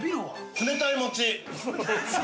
◆冷たい餅。